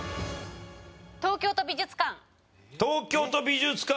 東京都美術館